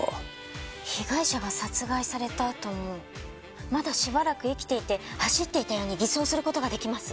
被害者が殺害されたあともまだしばらく生きていて走っていたように偽装する事ができます。